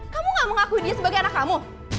kamu gak mau ngakui dia sebagai anak kamu